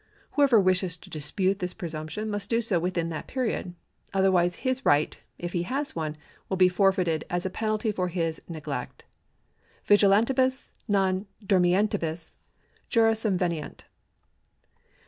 Whoever wishes to dispute this presumption must do so within that period ; otherwise his right, if he has one, will be forfeited as a penalty for his neglect. VigilantUms non dormientibus jura subveniunt.